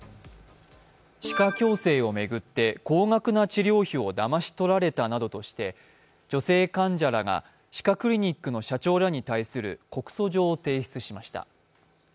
歯科矯正を巡って、高額な治療費をだまし取られたとして女性患者らが歯科クリニックの社長らに対する告訴状を提出しました。